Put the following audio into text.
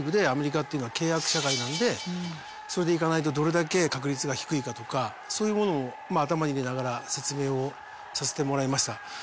アメリカっていうのは契約社会なんでそれで行かないとどれだけ確率が低いかとかそういうものを頭に入れながら説明をさせてもらいました。